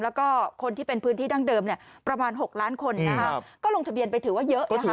แล้วก็คนที่เป็นพื้นที่ดั้งเดิมเนี่ยประมาณ๖ล้านคนนะคะก็ลงทะเบียนไปถือว่าเยอะนะคะ